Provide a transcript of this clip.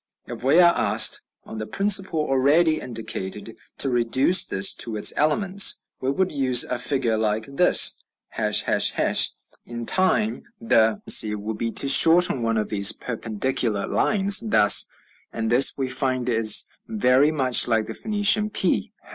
If we are asked, on the principle already indicated, to reduce this to its elements, we would use a figure like this, ###; in time the tendency would be to shorten one of these perpendicular lines, thus, and this we find is very much like the Phoenician p, ###